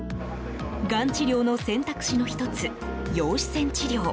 がん治療の選択肢の１つ陽子線治療。